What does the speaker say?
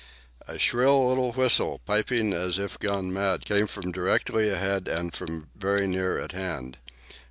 A shrill little whistle, piping as if gone mad, came from directly ahead and from very near at hand.